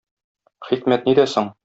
Хикмәт нидә соң?